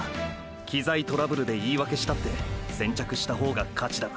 機材トラブルで言い訳したって先着した方が勝ちだ。